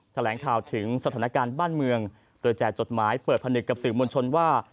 แถลงข่าวถึงสถานการณ์บ้านเมืองโดยแจกจดหมายเปิดผนึกกับสื่อมวลชนว่า